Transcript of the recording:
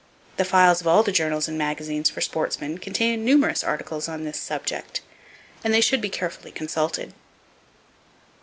The files of all the journals and magazines for sportsmen contain numerous articles on this subject, and they should be carefully consulted.